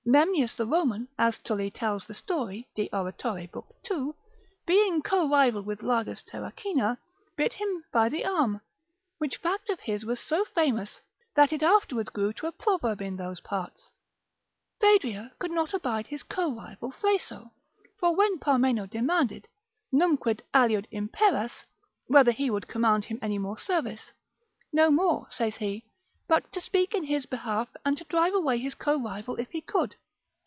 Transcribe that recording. Memnius the Roman (as Tully tells the story, de oratore, lib. 2.), being co rival with Largus Terracina, bit him by the arm, which fact of his was so famous, that it afterwards grew to a proverb in those parts. Phaedria could not abide his co rival Thraso; for when Parmeno demanded, numquid aliud imperas? whether he would command him any more service: No more (saith he) but to speak in his behalf, and to drive away his co rival if he could.